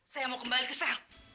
saya mau kembali ke saya